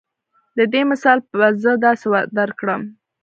د دې مثال به زۀ داسې درکړم